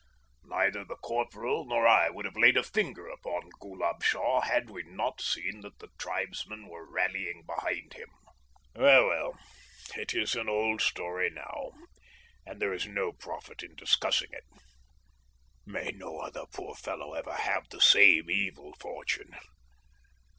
Neither the corporal nor I would have laid a finger upon Ghoolab Shah had we not seen that the tribesmen were rallying behind him. Well, well, it is an old story now, and there is no profit in discussing it. May no other poor fellow ever have the same evil fortune!